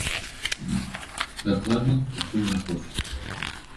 Дакладней, пакуль не хочуць.